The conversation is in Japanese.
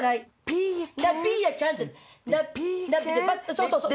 そうそうそう！